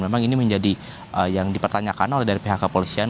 memang ini menjadi yang dipertanyakan oleh dari pihak kepolisian